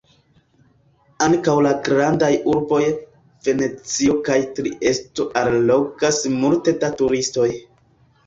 Ankaŭ la grandaj urboj Venecio kaj Triesto allogas multe da turistoj.